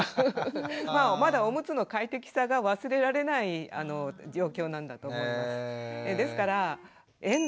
まあまだおむつの快適さが忘れられない状況なんだと思います。